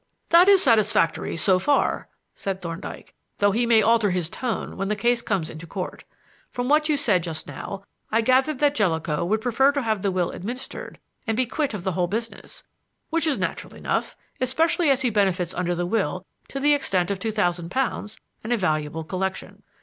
"That is satisfactory so far," said Thorndyke, "though he may alter his tone when the case comes into Court. From what you said just now I gathered that Jellicoe would prefer to have the will administered and be quit of the whole business; which is natural enough, especially as he benefits under the will to the extent of two thousand pounds and a valuable collection.